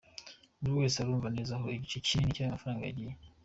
Buri wese arumva neza aho igice kinini cy’ayo mafaranga yagiye.